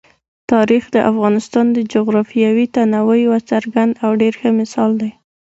تاریخ د افغانستان د جغرافیوي تنوع یو څرګند او ډېر ښه مثال دی.